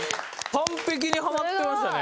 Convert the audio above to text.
完璧にハマってましたね。